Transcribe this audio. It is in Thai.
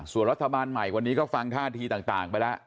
ส่วนรัฐบาลใหม่ก็ฟังท่าทีต่างไปละ